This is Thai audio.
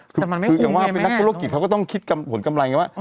คืออย่างว่าเป็นนักธุรกิจเขาก็ต้องคิดผลกำไรไงว่า